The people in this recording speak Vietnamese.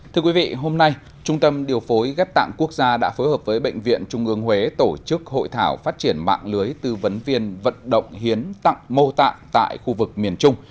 thưa quý vị hôm nay trung tâm điều phối ghép tạng quốc gia đã phối hợp với bệnh viện trung ương huế tổ chức hội thảo phát triển mạng lưới tư vấn viên vận động hiến tặng mô tạng tại khu vực miền trung